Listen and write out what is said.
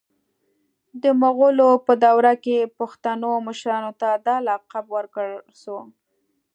د مغولو په دور کي پښتنو مشرانو ته دا لقب ورکړل سو